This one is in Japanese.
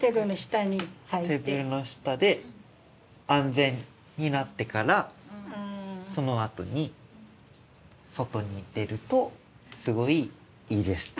テーブルの下で安全になってからそのあとに外に出るとすごいいいです。